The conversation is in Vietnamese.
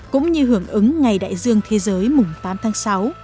cũng như hưởng ứng ngày đại dương thế giới mùng tám tháng sáu